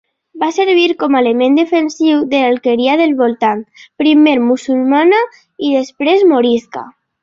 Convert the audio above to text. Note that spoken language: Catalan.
Va servir com a element defensiu de l'alqueria del voltant, primer musulmana i després morisca.